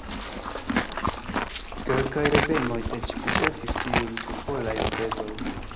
Kelkaj rabenoj eĉ kusentis tiujn popolajn kredojn.